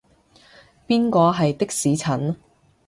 邊個係的士陳？